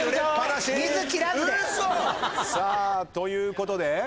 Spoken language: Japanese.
さあということで。